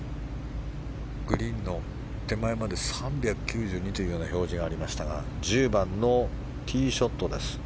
グリーンの手前まで３９２という表示がありましたが１０番のティーショットです。